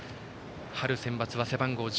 春センバツは背番号１１。